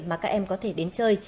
mà các em có thể đến chơi